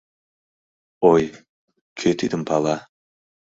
Ой, кӧ тидым пала!